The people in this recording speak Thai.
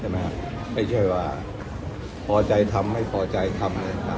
ไม่ใช่ว่าพอใจทำไม่พอใจทำ